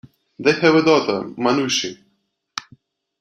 They have a daughter, Manushi.